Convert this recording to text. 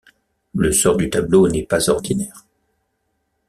Le sort du tableau n'est pas ordinaire.